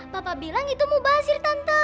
papa bilang itu mau basir tante